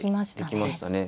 はいできましたね。